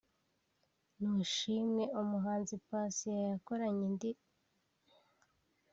‘Nushimwe’umuhanzi Patient yakoranye na Dudu w’I Burundi n’izindi zinyuranye